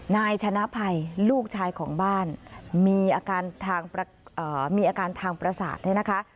นายชนะภัยลูกชายของบ้านมีอาการทางประสาทนะคะ